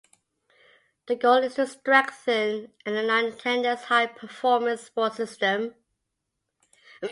The goal is to strengthen and align Canada's high performance sport system.